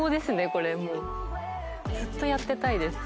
これもうずっとやってたいです